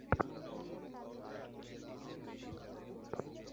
এটা কি আমাদের চিবিয়ে খাবে, নাকি আমরা অ্যাসিডে ধীরে ধীরে হজম হয়ে যাবো?